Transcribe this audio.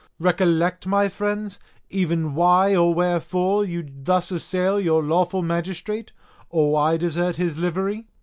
Recollect, my friends, even why or wherefore should you thus assail your lawful magistrate, or why desert his livery?